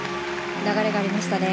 流れがありましたね。